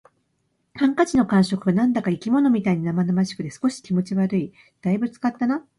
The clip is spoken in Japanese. ハンカチの感触が何だか生き物みたいに生々しくて、少し気持ち悪い。「大分使ったな」